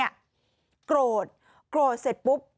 โกรธโกรธเสร็จปุ๊บ